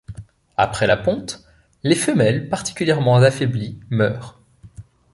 Après la ponte, les femelles particulièrement affaiblies meurent.